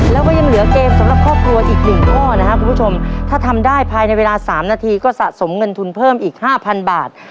แล้วก็ยังเหลือเกมสำหรับครอบครัวอีกหนึ่งข้อนะครับคุณผู้ชมถ้าทำได้ภายในเวลา๓นาทีก็สะสมเงินทุนเพิ่มอีกห้าพันบาท